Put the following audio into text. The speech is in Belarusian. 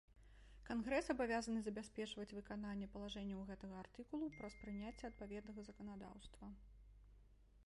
Кангрэс абавязаны забяспечваць выкананне палажэнняў гэтага артыкулу праз прыняцце адпаведнага заканадаўства.